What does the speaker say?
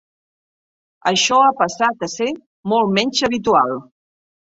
Això ha passat a ser molt menys habitual.